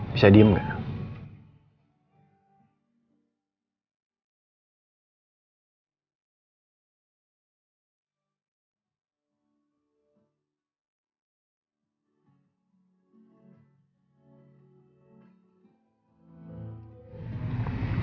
bisa diem gak